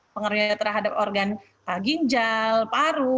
pengaruhnya terhadap organ ginjal paru